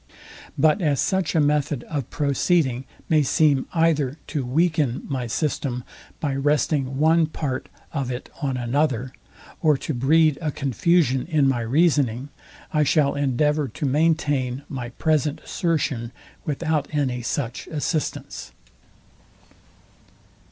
But as such a method of proceeding may seem either to weaken my system, by resting one part of it on another, or to breed a confusion in my reasoning, I shall endeavour to maintain my present assertion without any such assistance.